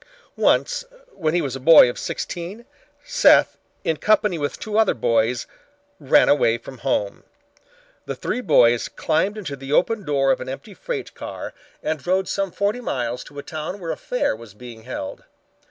Once when he was a boy of sixteen, Seth in company with two other boys ran away from home. The three boys climbed into the open door of an empty freight car and rode some forty miles to a town where a fair was being held.